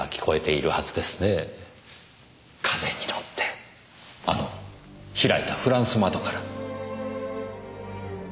風に乗ってあの開いたフランス窓から。